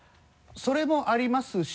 それもありますし。